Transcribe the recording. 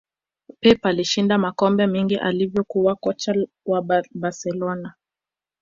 pep alishinda makombe mengi alivyokuwa kocha wa barcelona